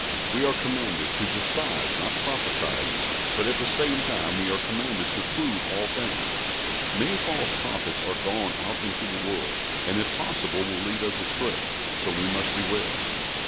We are commanded to "despise not prophesyings," but at the same time we are commanded to "prove all things." "Many false prophets are gone out into the world," and, if possible, will lead us astray. So we must beware.